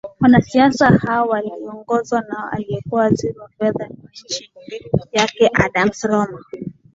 wanasiasa hao waliongozwa na aliyekuwa waziri wa fedha wa nchi yake adams roma